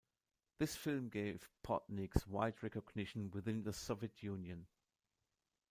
This film gave Podnieks wide recognition within the Soviet Union.